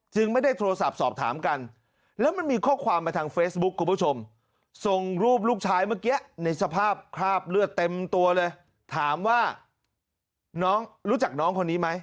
จึงไม่ได้โทรศัพท์สอบถามกันแล้วมันมีข้อความมาทาง